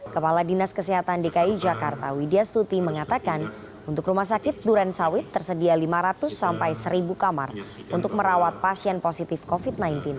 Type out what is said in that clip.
kepala dinas kesehatan dki jakarta widya stuti mengatakan untuk rumah sakit duren sawit tersedia lima ratus sampai seribu kamar untuk merawat pasien positif covid sembilan belas